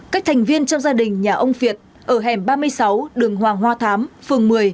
các thành viên trong gia đình nhà ông việt ở hẻm ba mươi sáu đường hoàng hoa thám phường một mươi